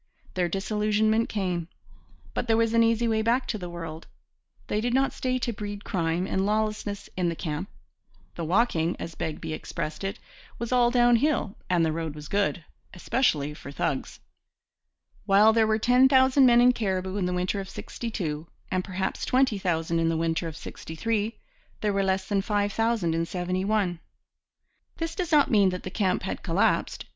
Their disillusionment came; but there was an easy way back to the world. They did not stay to breed crime and lawlessness in the camp. 'The walking' as Begbie expressed it 'was all down hill and the road was good, especially for thugs.' While there were ten thousand men in Cariboo in the winter of '62 and perhaps twenty thousand in the winter of '63, there were less than five thousand in '71. This does not mean that the camp had collapsed.